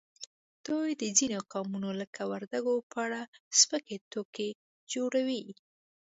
دوی د ځینو قومونو لکه وردګو په اړه سپکې ټوکې جوړوي